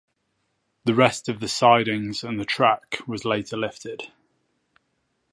The rest of the sidings and the track was later lifted.